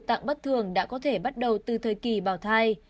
phủ tạng bất thường đã có thể bắt đầu từ thời kỳ bào thai